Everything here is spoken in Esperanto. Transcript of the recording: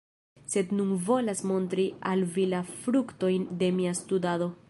Sed nun volas montri al vi la fruktojn de mia studado.